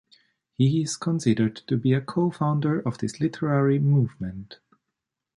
He is considered to be a co-founder of this literary movement.